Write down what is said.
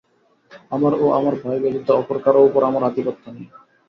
আমার ও আমার ভাই ব্যতীত অপর কারও উপর আমার আধিপত্য নেই।